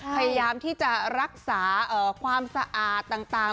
พยายามที่จะรักษาความสะอาดต่าง